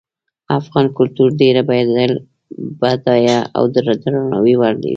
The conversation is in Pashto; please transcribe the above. افغان کلتور ډیر بډایه او د درناوي وړ ده